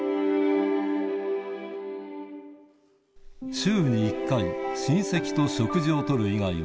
週に１回親戚と食事を取る以外は